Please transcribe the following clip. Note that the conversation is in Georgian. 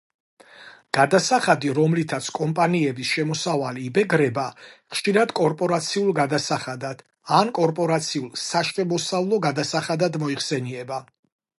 გადასახადი, რომლითაც კომპანიების შემოსავალი იბეგრება ხშირად კორპორაციულ გადასახადად ან კორპორაციულ საშემოსავლო გადასახადად მოიხსენიება.